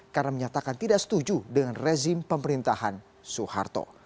karena menyatakan tidak setuju dengan rezim pemerintahan soeharto